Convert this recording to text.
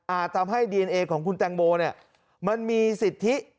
อาจทำให้ดีเอนเอของคุณแจ็กโบมันมีสิทธิ